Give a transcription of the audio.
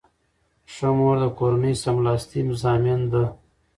ښه مور د کورنۍ سلامتۍ ضامن ده.